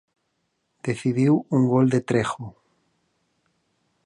Decidiu un gol de Trejo.